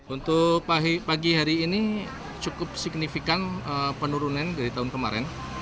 untuk pagi hari ini cukup signifikan penurunan dari tahun kemarin